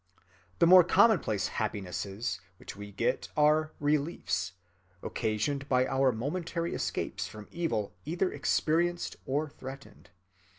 The more commonplace happinesses which we get are "reliefs," occasioned by our momentary escapes from evils either experienced or threatened.